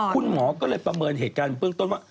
คุณหมอก็เลยประเมินเหตุการณ์เบื้องต้นว่า